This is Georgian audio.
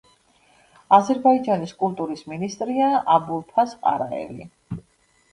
აზერბაიჯანის კულტურის მინისტრია აბულფაზ ყარაევი.